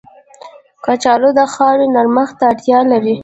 کچالو د خاورې نرمښت ته اړتیا لري